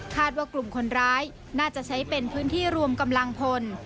ว่ากลุ่มคนร้ายน่าจะใช้เป็นพื้นที่รวมกำลังพล